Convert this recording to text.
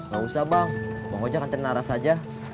gak usah bang bang ojak nantikan naras aja